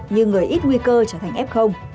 như người ít nguy cơ trở thành f